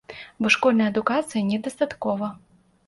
Бо школьнай адукацыі недастаткова.